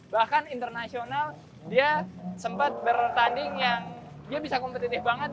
bahkan internasional dia sempat bertanding yang dia bisa kompetitif banget